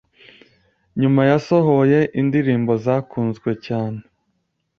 Nyuma yasohoye indirimbo zakunzwe cyane